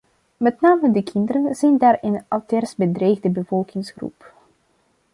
Met name de kinderen zijn daar een uiterst bedreigde bevolkingsgroep.